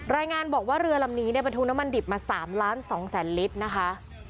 รายงานบอกว่าเรือลำนี้เนี่ยบรรทุกน้ำมันดิบมา๓ล้าน๒แสนลิตรนะคะ